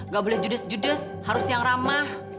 gak boleh judes judes harus yang ramah